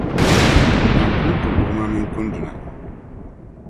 Mani pun ku gbuɣima mini kunduna.